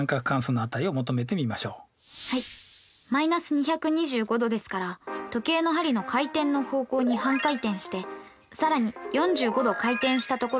−２２５°ですから時計の針の回転の方向に半回転して更に４５度回転したところに動径ＯＰを書きます。